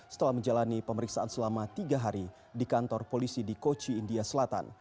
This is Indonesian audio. setelah menjalani pemeriksaan selama tiga hari di kantor polisi di kochi india selatan